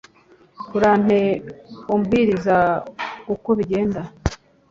Urampe umbwiriza ukwo bigenda